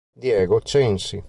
Diego Censi